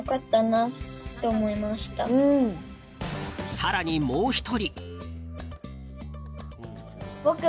更に、もう１人。